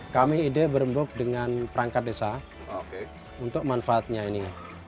kami ide berembuk dengan perangkat desa untuk manfaatnya ini